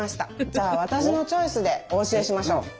じゃあ私のチョイスでお教えしましょう。